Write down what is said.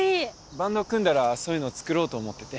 バンド組んだらそういうの作ろうと思ってて。